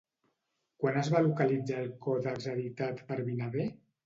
Quan es va localitzar el còdex editat per Vinaver?